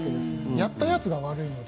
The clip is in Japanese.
やったやつが悪いので。